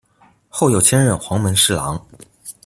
后又迁任黄门侍郎。